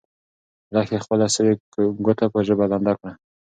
لښتې خپله سوې ګوته په ژبه لنده کړه.